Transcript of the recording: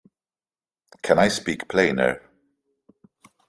Can I speak plainer?